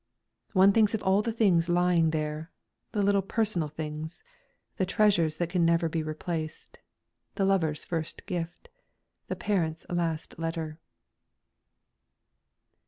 One thinks of all the things lying there the little personal things the treasures that can never be replaced the lover's first gift, the parent's last letter.